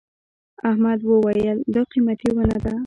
احمد وويل: دا قيمتي ونه ده.